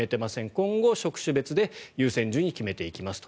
今後、職種別で優先順位を決めていきますと。